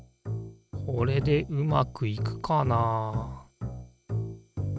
これでうまくいくかなあ？